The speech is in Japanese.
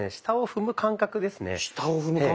下を踏む感覚ですね。